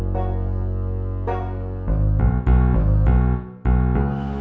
ya udah saya pamit